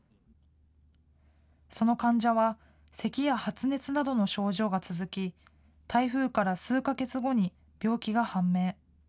その患者は、せきや発熱などの症状が続き、台風から数か月後に病気が判明。